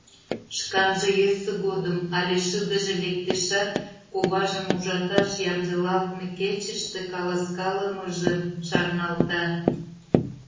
Шканже йӧсӧ годым але шыдыже лектешат, коважын ужаташ ямдылалтме кечыште каласкалымыжым шарналта: